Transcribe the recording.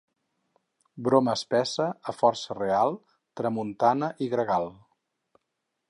Broma espessa a força real, tramuntana i gregal.